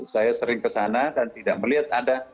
saya sering ke sana dan tidak melihat ada